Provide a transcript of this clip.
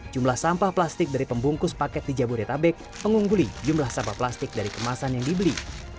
jumlah sampah plastik dari pembungkus paket di jabodetabek mengungguli jumlah sampah plastik dari kemasan yang dibeli